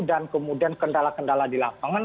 dan kemudian kendala kendala di lapangan